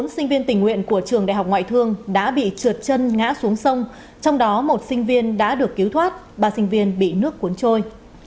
bốn sinh viên tình nguyện của trường đại học ngoại thương đã bị trượt chân ngã xuống sông trong đó một sinh viên đã được cứu thoát ba sinh viên bị nước cuốn trôi